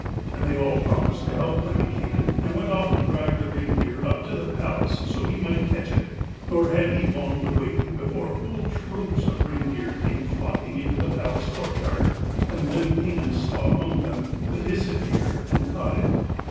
And they all promised to help Lemminkainen, and went off to drive the reindeer up to the palace so that he might catch it. Nor had he long to wait before whole troops of reindeer came flocking into the palace courtyard, and Lemminkainen saw among them the Hisi deer, and caught it.